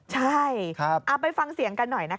ใช่ไปฟังเสียงกันหน่อยนะคะ